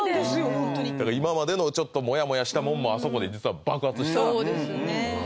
ホントにだから今までのちょっとモヤモヤしたもんもあそこで実は爆発したそうですね